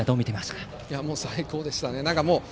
最高でしたね。